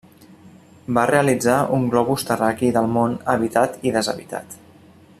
Va realitzar un globus terraqüi del món habitat i deshabitat.